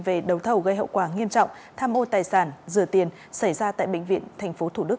về đấu thầu gây hậu quả nghiêm trọng tham ô tài sản rửa tiền xảy ra tại bệnh viện tp thủ đức